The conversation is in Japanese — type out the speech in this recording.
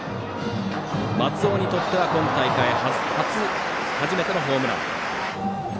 松尾にとっては今大会初めてのホームラン。